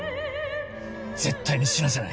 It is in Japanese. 絶対に死なせない。